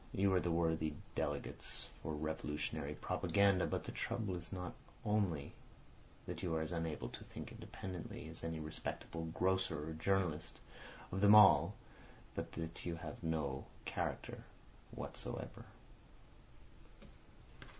You are the worthy delegates for revolutionary propaganda, but the trouble is not only that you are as unable to think independently as any respectable grocer or journalist of them all, but that you have no character whatever."